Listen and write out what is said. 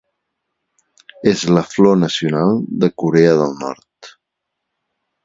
És la flor nacional de Corea del Nord.